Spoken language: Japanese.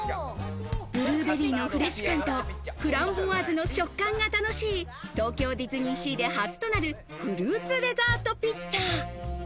ブルーベリーのフレッシュ感と、フランボワーズの食感が楽しい、東京ディズニーシーで初となるフルーツデザートピッツァ。